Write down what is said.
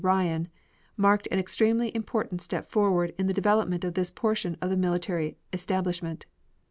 Ryan, marked an extremely important step forward in the development of this portion of the Military Establishment.